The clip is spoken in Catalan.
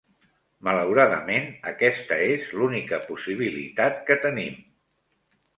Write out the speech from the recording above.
Malauradament, aquesta és l'única possibilitat que tenim.